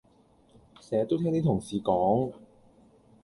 成日都聽啲同事講